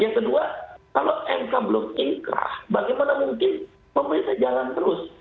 yang kedua kalau mk belum ingkrah bagaimana mungkin pemerintah jalan terus